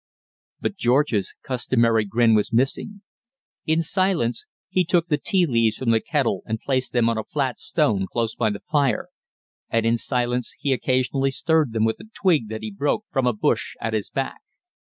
But George's customary grin was missing. In silence he took the tea leaves from the kettle and placed them on a flat stone close by the fire, and in silence he occasionally stirred them with a twig that he broke from a bush at his back.